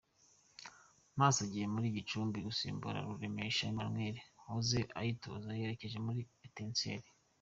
Maso agiye muri Gicumbi gusimbura Ruremesha Emmanuel wahoze ayitoza werekeje muri Etincelles.